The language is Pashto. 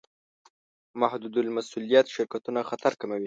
محدودالمسوولیت شرکتونه خطر کموي.